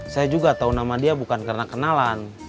saya juga tahu nama dia bukan karena kenalan